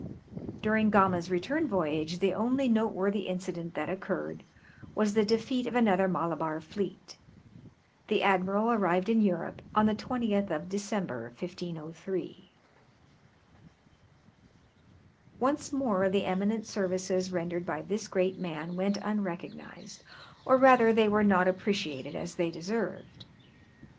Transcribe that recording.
During Gama's return voyage the only noteworthy incident that occurred was the defeat of another Malabar fleet. The admiral arrived in Europe on the 20th of December, 1503. Once more the eminent services rendered by this great man went unrecognised, or rather they were not appreciated as they deserved.